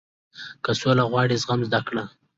• که سوله غواړې، زغم زده کړه.